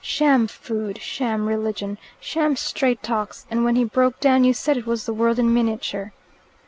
Sham food, sham religion, sham straight talks and when he broke down, you said it was the world in miniature."